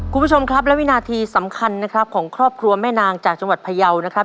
คุณผู้ชมครับและวินาทีสำคัญนะครับของครอบครัวแม่นางจากจังหวัดพยาวนะครับ